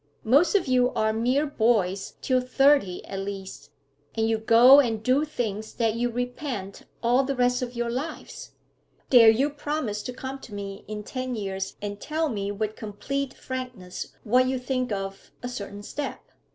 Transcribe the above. Most of you are mere boys till thirty at least, and you go and do things that you repent all the rest of your lives. Dare you promise to come to me in ten years and tell me with complete frankness what you think of a certain step?'